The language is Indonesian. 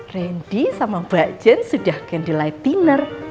randy sama mbak jen sudah candle light dinner